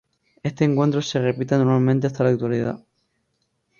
Este encuentro se repite anualmente hasta la actualidad.